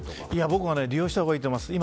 僕は利用したほうがいいと思います。